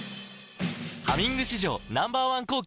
「ハミング」史上Ｎｏ．１抗菌